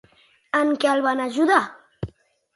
En què el va ajudar?